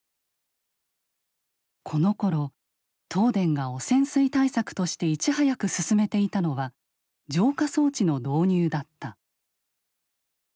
このころ東電が汚染水対策としていち早く進めていたのは浄化装置の導入だった。